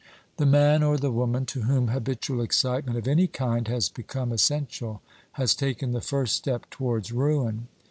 The man or the woman to whom habitual excitement of any kind has become essential has taken the first step towards ruin.